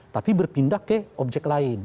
tapi berpindah ke objek lain